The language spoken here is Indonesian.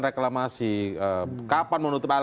reklamasi kapan menutup